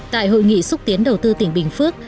tại hội nghị xúc tiến đầu tư tỉnh bình phước